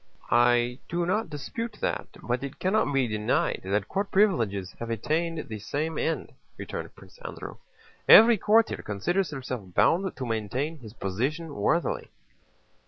"I do not dispute that, but it cannot be denied that court privileges have attained the same end," returned Prince Andrew. "Every courtier considers himself bound to maintain his position worthily."